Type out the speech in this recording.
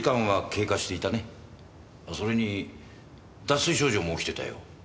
それに脱水症状も起きてたよ。